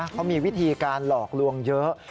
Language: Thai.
เขามีวิธีการหลอกลวงเยอะ